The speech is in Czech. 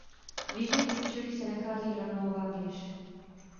V jižním průčelí se nachází hranolová věž.